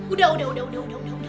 udah udah udah